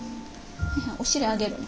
お尻上げるの？